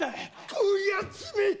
こやつめっ！